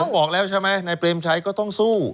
เท่าผมบอกแล้วใช่ไหมในปรเภมใช้ก็ต้องสู้